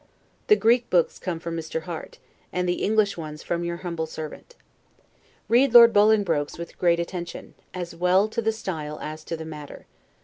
The Greek books come from Mr. Harte, and the English ones from your humble servant. Read Lord Bolingbroke's with great attention, as well to the style as to the matter.